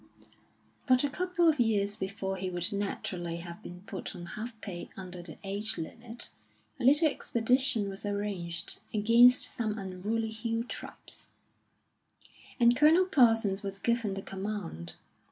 But a couple of years before he would naturally have been put on half pay under the age limit, a little expedition was arranged against some unruly hill tribes, and Colonel Parsons was given the command.